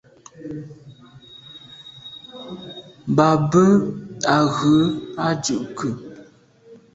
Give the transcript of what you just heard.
Mba be a’ ghù à ndùke.